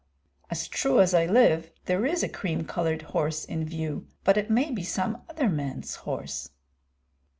"As true as I live, there is a cream colored horse in view, but it may be some other man's horse."